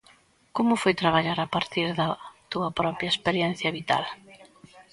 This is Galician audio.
Como foi traballar a partir da túa propia experiencia vital?